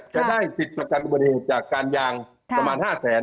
จะได้สิทธิ์ประกันอุบัติเหตุจากการยางประมาณ๕แสน